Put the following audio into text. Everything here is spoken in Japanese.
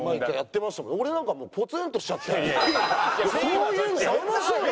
そういうのやめましょうよ。